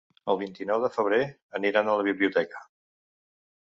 El vint-i-nou de febrer aniran a la biblioteca.